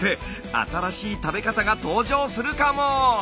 新しい食べ方が登場するかも。